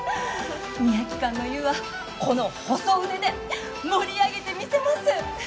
水明館の湯はこの細腕で盛り上げてみせます！